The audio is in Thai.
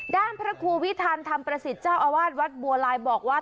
ด้านพระครูวิทันธรรมประสิทธิ์เจ้าอาวาสวัดบัวลายบอกว่า